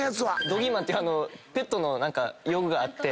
ドギーマンってペットの用具があって。